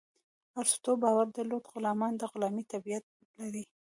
ارسطو باور درلود غلامان د غلامي طبیعت لري.